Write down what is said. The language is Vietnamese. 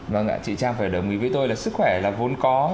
vâng ạ chị trang phải đồng ý với tôi là sức khỏe là vốn có